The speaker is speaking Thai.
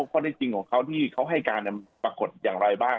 ข้อได้จริงของเขาที่เขาให้การปรากฏอย่างไรบ้าง